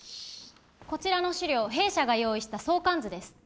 こちらの資料弊社が用意した相関図です。